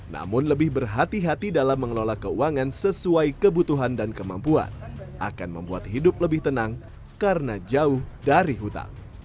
namun lebih berhati hati dalam mengelola keuangan sesuai kebutuhan dan kemampuan akan membuat hidup lebih tenang karena jauh dari hutang